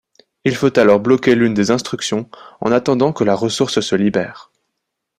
Il faut alors bloquer l'une des instructions en attendant que la ressource se libère.